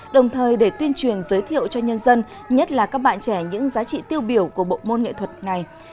đồng thời để tuyên truyền giới thiệu cho nhân dân nhất là các bạn trẻ những giá trị tiêu biểu của bộ môn nghệ thuật này